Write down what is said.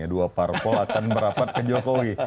dua parpol akan merapat ke jokowi